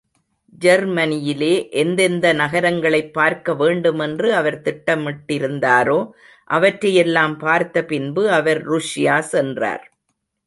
ஜெர்மனியிலே எந்தெந்த நகரங்களைப் பார்க்க வேண்டுமென்று அவர் திட்டமிட்டிருந்தாரோ அவற்றையெல்லாம் பார்த்தபின்பு, அவர் ருஷ்யா சென்றார்.